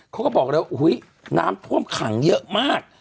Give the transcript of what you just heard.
เขาก็บอกเลยว่าน้ำท่วมขังเยอะมาก